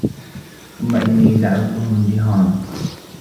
ثُمَّ إِنّي دَعَوتُهُم جِهارًا